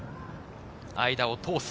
間を通す。